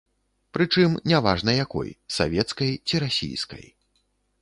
Прычым, не важна якой, савецкай ці расійскай.